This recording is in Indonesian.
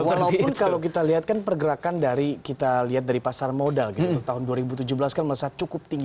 walaupun kalau kita lihat kan pergerakan dari kita lihat dari pasar modal gitu tahun dua ribu tujuh belas kan masih cukup tinggi